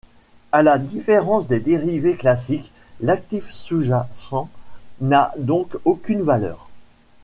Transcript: À la différence des dérivés classiques, l'actif sous-jacent n'a donc aucune valeur.